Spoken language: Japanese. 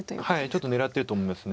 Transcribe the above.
ちょっと狙ってると思います。